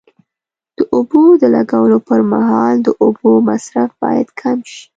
د اوبو د لګولو پر مهال د اوبو مصرف باید کم شي.